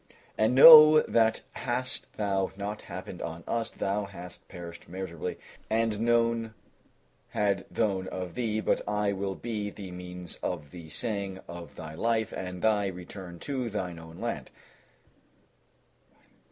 And know that hadst thou not happened on us, thou hadst perished miserably and none had known of thee; but I will be the means of the saving of thy life and of thy return to thine own land."